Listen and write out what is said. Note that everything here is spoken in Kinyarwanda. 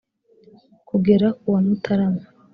kugera ku wa mutarama